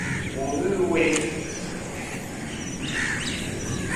Wù n-ghɨ ɨwe.